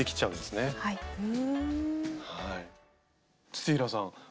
土平さん菱